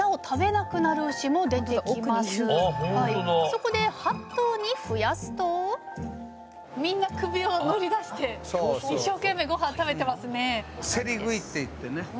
そこで８頭に増やすとみんな首を乗り出して一生懸命ごはん食べてますね。